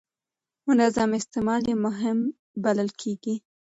منظم استعمال یې مهم بلل کېږي.